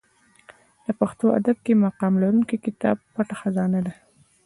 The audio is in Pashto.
په پښتو ادب کښي مقام لرونکى کتاب پټه خزانه دئ.